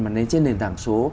mà đến trên nền tảng số